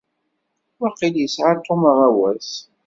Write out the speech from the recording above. Waqil yesεa Tom aɣawas.